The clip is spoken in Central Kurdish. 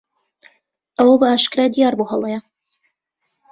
ئەوە بەئاشکرا دیار بوو هەڵەیە.